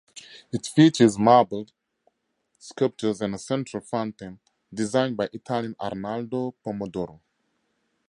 It features marble sculptures and a central fountain designed by Italian Arnaldo Pomodoro.